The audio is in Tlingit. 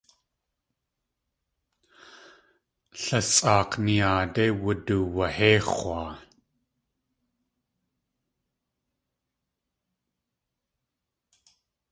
Lasʼaak̲ niyaadé wuduwahéix̲waa.